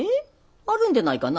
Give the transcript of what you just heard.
あるんでないかな？